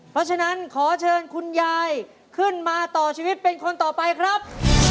เพราะฉะนั้นขอเชิญคุณยายขึ้นมาต่อชีวิตเป็นคนต่อไปครับ